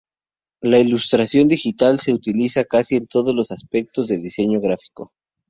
La Ilustración digital se utiliza en casi todos los aspectos de diseño gráfico.